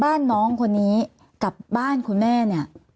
บ้านน้องคนนี้กับบ้านคุณแม่เนี่ย